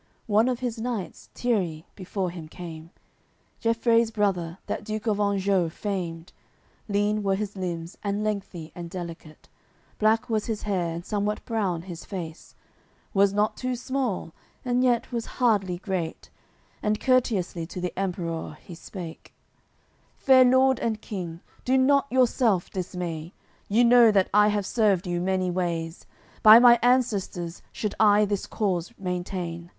One of his knights, Tierris, before him came, Gefrei's brother, that Duke of Anjou famed; Lean were his limbs, and lengthy and delicate, Black was his hair and somewhat brown his face; Was not too small, and yet was hardly great; And courteously to the Emperour he spake: "Fair' Lord and King, do not yourself dismay! You know that I have served you many ways: By my ancestors should I this cause maintain.